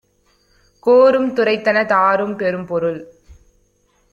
கோரும் துரைத்தனத் தாரும் பெரும்பொருள்